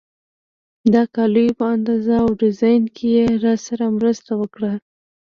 د کالیو په اندازه او ډیزاین کې یې راسره مرسته وکړه.